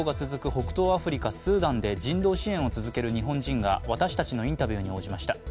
北東アフリカ、スーダンで人道支援を続ける日本人が私たちのインタビューに応じました。